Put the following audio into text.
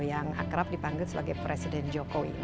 yang akrab dipanggil sebagai presiden jokowi